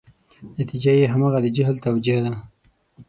نتیجه یې همغه د جهل توجیه ده.